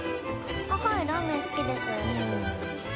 はいラーメン好きです。